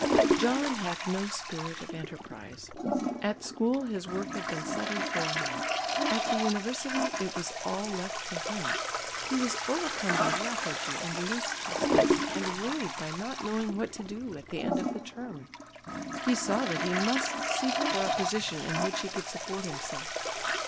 John had no spirit of enterprise. At school his work had been settled for him; at the university it was all left to him. He was overcome by lethargy and listlessness and worried by not knowing what to do at the end of the term. He saw that he must seek for a position in which he could support himself.